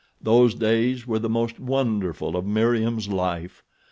Those days were the most wonderful of Meriem's life.